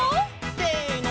せの！